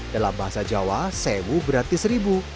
dalam bahasa jawa sewu berarti seribu